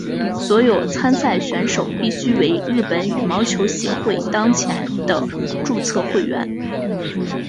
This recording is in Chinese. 所有参赛选手必须为日本羽毛球协会当前的注册会员。